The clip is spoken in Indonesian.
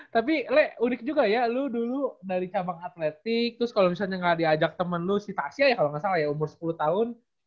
tapi le unik juga ya lo dulu dari cabang atletik terus kalau misalnya nggak diajak temen lu sita asia ya kalau nggak salah ya umur sepuluh tahun